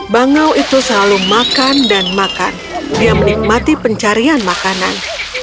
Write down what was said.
bangau itu selalu makan dan makan dia menikmati pencarian makanan